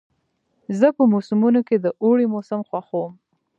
زه په موسمونو کې د اوړي موسم خوښوم.